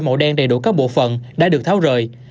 màu đen đầy đủ các bộ phận đã được tháo rời